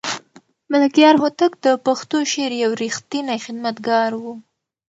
ملکیار هوتک د پښتو شعر یو رښتینی خدمتګار و.